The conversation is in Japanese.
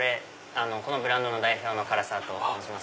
このブランドの代表の唐沢と申します。